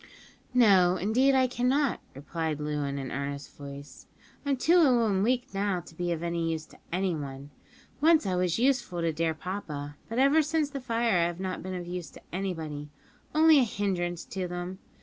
"No, indeed I cannot," replied Loo in an earnest voice; "I'm too ill and weak now to be of any use to anyone. Once I was useful to dear papa, but ever since the fire I have not been of use to anybody; only a hindrance to them.